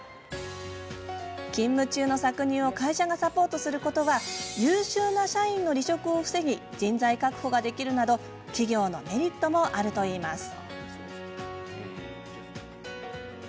勤務中の搾乳を会社がサポートすることは優秀な社員の離職を防ぎ人材確保ができるなど企業のメリットがあるといいます。